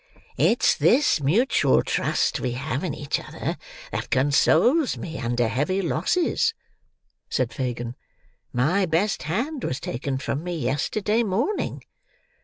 "It's this mutual trust we have in each other that consoles me under heavy losses," said Fagin. "My best hand was taken from me, yesterday morning."